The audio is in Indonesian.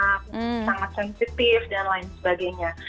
sangat sensitif dan lain sebagainya